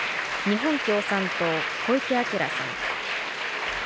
日本共産党、小池晃さん。